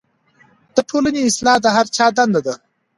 د ټولنې اصلاح د هر چا دنده ده.